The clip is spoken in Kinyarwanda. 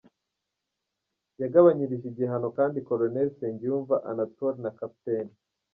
Yagabanyirije igihano kandi Colonel Nsengiyumva Anatole na Capt.